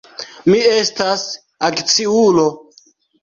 Mi estas akciulo.